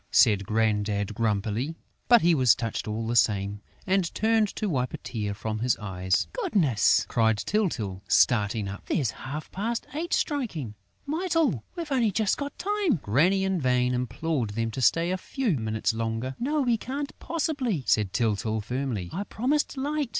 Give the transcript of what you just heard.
said Grandad, grumpily. But he was touched, all the same, and turned to wipe a tear from his eyes. "Goodness!" cried Tyltyl, starting up. "There's half past eight striking!... Mytyl, we've only just got time!..." Granny in vain implored them to stay a few minutes longer. "No, we can't possibly," said Tyltyl firmly; "I promised Light!"